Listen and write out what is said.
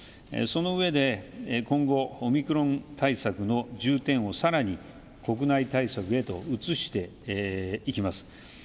そのうえで今後、オミクロン対策の重点をさらに国内対策へと移していきます。